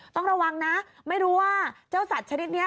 ต้องระวังนะไม่รู้ว่าเจ้าสัตว์ชนิดนี้